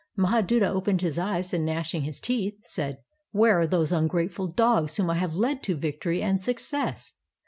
]Mahaduta opened his eyes and gnashing his teeth, said: "WTiere are those ungrateful dogs whom I have led to \'ictory and success?